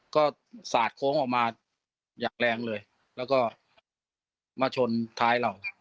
ก็สาดโค้งออกมาอย่างแรงเลยแล้วก็มาชนท้ายเรา